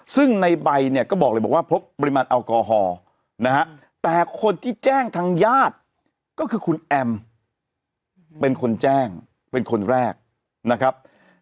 ซึ่งในใบเนี่ยก็บอกเลยบอกว่าพบปริมาณแอลกอฮอล์นะฮะแต่คนที่แจ้งทางญาติก็คือคุณแอมเป็นคนแจ้งเป็นคนแรกนะครับ